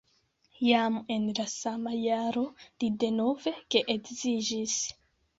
Jam en la sama jaro li denove geedziĝis.